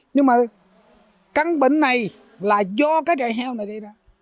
nhưng mà căn bệnh này là do cái trại heo này gây ra